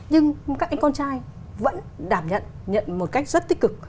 nhưng các anh con trai vẫn đảm nhận nhận một cách rất tích cực